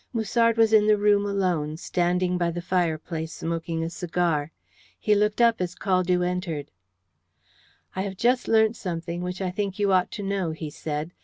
Musard was in the room alone, standing by the fireplace, smoking a cigar. He looked up as Caldew entered. "I have just learnt something which I think you ought to know," he said.